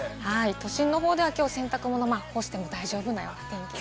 都心の方では洗濯物、干しても大丈夫なような天気です。